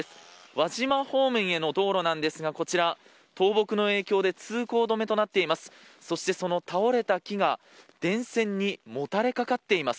輪島方面への道路なんですが倒木の影響で通行止めとなっています。